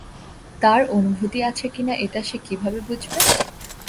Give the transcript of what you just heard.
তার অনুভূতি আছে কিনা এটা সে কিভাবে বুঝবে?